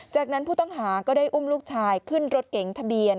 จากนั้นผู้ต้องหาก็ได้อุ้มลูกชายขึ้นรถเก๋งทะเบียน